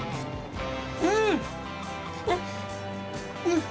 うん！